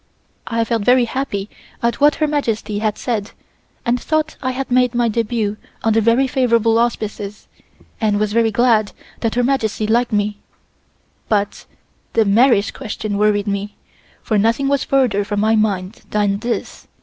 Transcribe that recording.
I felt very happy at what Her Majesty had said and thought I had made my debut under very favorable auspices, and was very glad that Her Majesty liked me; but this marriage question worried me, for nothing was farther from my mind than this.